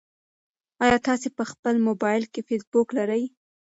ایا تاسي په خپل موبایل کې فېسبوک لرئ؟